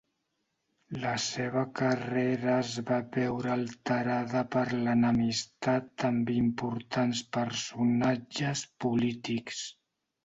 La seva carrera es va veure alterada per l'enemistat amb importants personatges polítics.